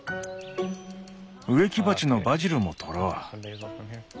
植木鉢のバジルも取ろう。